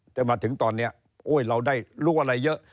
จนถึงตอนนี้เราได้รู้อะไรเยอะ